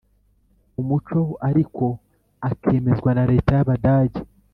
umuco ariko akemerwa na Leta y Abadage